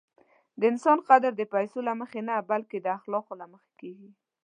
د انسان قدر د پیسو له مخې نه، بلکې د اخلاقو له مخې کېږي.